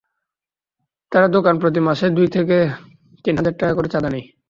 তারা দোকানপ্রতি মাসে দুই থেকে তিন হাজার টাকা করে চাঁদা নেয়।